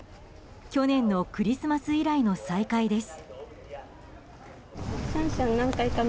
去年のクリスマス以来の再開です。